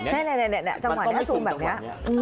มันก็ไม่คุ้มจังหวัดนี้